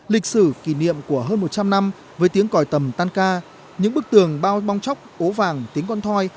lịch sử kỷ niệm của hơn một trăm linh năm với tiếng còi tầm tan ca những bức tường bao bong chóc ố vàng tiếng con thoi